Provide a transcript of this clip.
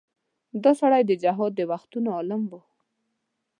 دا سړی د جهاد د وختونو عالم و.